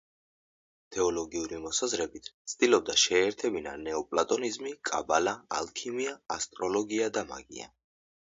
თეოლოგიური მოსაზრებით ცდილობდა შეეერთებინა ნეოპლატონიზმი, კაბალა, ალქიმია, ასტროლოგია და მაგია.